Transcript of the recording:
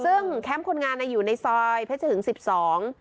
ซึ่งแคมป์คนงานอ่ะอยู่ในซอยเพชรหึงสิบสอง